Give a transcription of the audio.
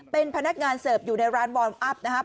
เป็นพนักงานเสิร์ฟอยู่ในร้านวอร์มอัพนะครับ